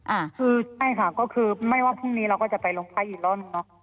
อ่าคือใช่ค่ะก็คือไม่ว่าพรุ่งนี้เราก็จะไปลงพัดอีกร่อนนะ